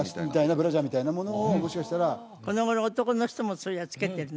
ブラジャーみたいなものをもしかしたらこの頃男の人もそれはつけてるの？